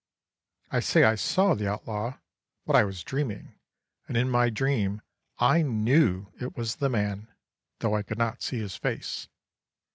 I say I saw the outlaw, but I was dreaming, and in my dream I knew it was the man, though I could not see his face.